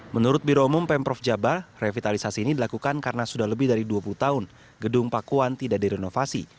menurut biro umum pemprov jabar revitalisasi ini dilakukan karena sudah lebih dari dua puluh tahun gedung pakuan tidak direnovasi